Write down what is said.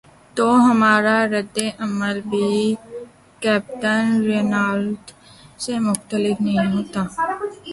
تو ہمارا رد عمل بھی کیپٹن رینالٹ سے مختلف نہیں ہوتا۔